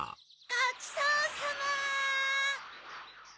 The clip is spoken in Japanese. ごちそうさま！